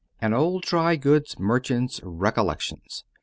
AN OLD DRY GOODS MERCHANT'S RECOLLECTIONS.